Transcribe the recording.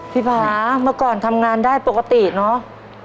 พี่ภาพมาก่อนทำงานได้ปกติเนอะ